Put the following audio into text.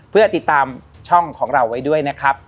เพื่อติดตามช่องของเราไว้ด้วยนะครับ